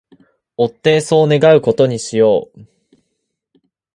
追ってそう願う事にしよう